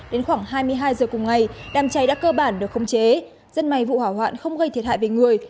đến khoảng hai mươi hai h cùng ngày đàm cháy đã cơ bản được không chế dân may vụ hỏa hoạn không gây thiệt hại về người